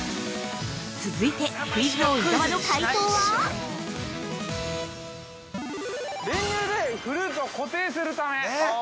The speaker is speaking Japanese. ◆続いて、クイズ王・伊沢の解答は！？◆練乳でフルーツを固定するため。